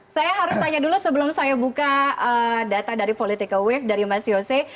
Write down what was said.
saya harus tanya dulu sebelum saya buka data dari political wave dari mas yose